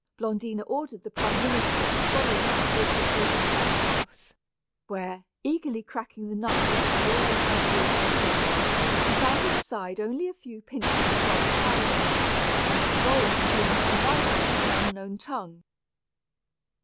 Blondina ordered the prime minister to follow her to a secluded summer house, where, eagerly cracking the nut with her royal high heeled shoe, she found inside only a few pinches of white powder, and a scroll containing some fine writing in an unknown tongue.